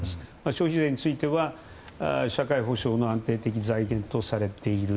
消費税については社会保障の安定的な財源とされている。